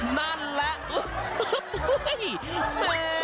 นั่นแหละอุ๊ยอุ๊ยอุ๊ย